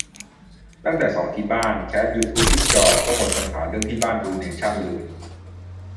ตั้งแต่สอนที่บ้านแคสยูทูปขึ้นจอก็หมดปัญหาเรื่องที่บ้านดูเนชั่นเลย